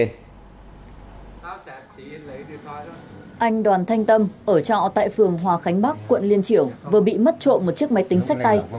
anh đoàn thanh tâm ở trọ tại phường hòa khánh bắc quận liên triểu vừa bị mất trộm một chiếc máy tính sách tay